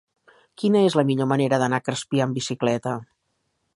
Quina és la millor manera d'anar a Crespià amb bicicleta?